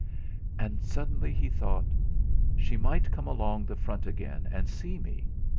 And suddenly he thought: 'She might come along the front again and see me!'